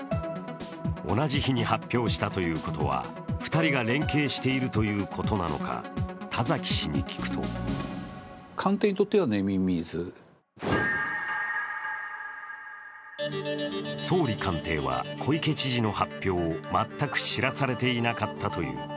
同じ日に発表したということは２人が連携しているということなのか田崎氏に聞くと総理官邸は小池知事の発表を全く知らされていなかったという。